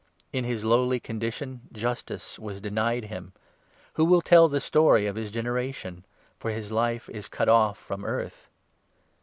In his lowly condition justice was denied him. 33 Who will tell the story of his generation ? For his life is cut off from earth.'